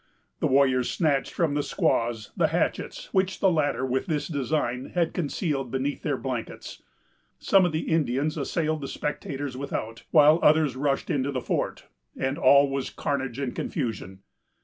The warriors snatched from the squaws the hatchets, which the latter, with this design, had concealed beneath their blankets. Some of the Indians assailed the spectators without, while others rushed into the fort, and all was carnage and confusion.